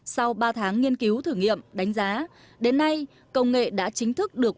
sau ba tháng nghiên cứu thử nghiệm đánh giá đến nay công nghệ đã chính thức được